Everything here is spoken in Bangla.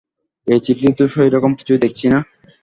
এ চিঠিতে তো সেরকম কিছুই দেখছি নে।